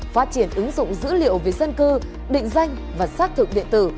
phát triển ứng dụng dữ liệu về dân cư định danh và xác thực điện tử